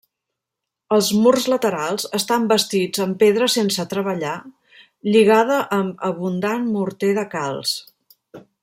Els murs laterals estan bastits amb pedra sense treballar lligada amb abundant morter de calç.